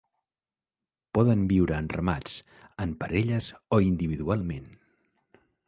Poden viure en ramats, en parelles o individualment.